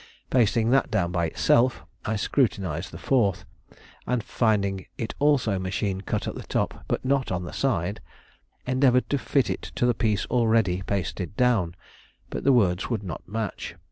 Pasting that down by itself, I scrutinized the fourth, and finding it also machine cut at the top but not on the side, endeavored to fit it to the piece already pasted down, but the words would not match.